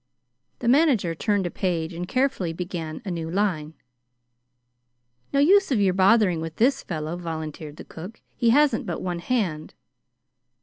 The manager turned a page and carefully began a new line. "No use of your bothering with this fellow," volunteered the cook. "He hasn't but one hand."